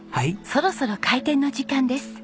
そろそろ開店の時間です。